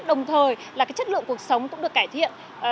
đồng thời là cái chất lượng cuộc sống cũng được cải thiện